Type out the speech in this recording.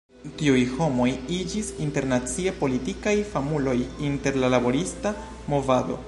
Tiuj homoj iĝis internacie politikaj famuloj inter la laborista movado.